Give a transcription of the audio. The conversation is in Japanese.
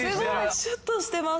シュッとしてます！